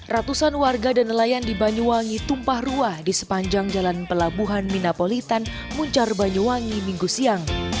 ratusan warga dan nelayan di banyuwangi tumpah ruah di sepanjang jalan pelabuhan minapolitan muncar banyuwangi minggu siang